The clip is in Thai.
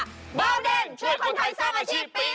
เบาแดงช่วยคนไทยสร้างอาชีพปี๒